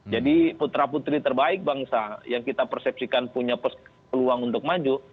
jadi putra putri terbaik bangsa yang kita persepsikan punya peluang untuk maju